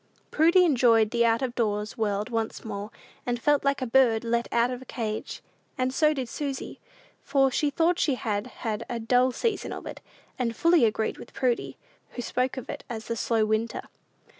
Prudy enjoyed the out of doors world once more, and felt like a bird let out of a cage. And so did Susy, for she thought she had had a dull season of it, and fully agreed with Prudy, who spoke of it as the "slow winter."